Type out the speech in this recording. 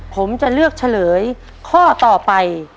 ผมจะเลือกเฉลยข้อต่อไป